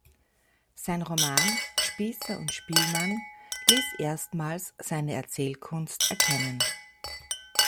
Sein Roman „Spießer und Spielmann“ ließ erstmals seine Erzählkunst erkennen.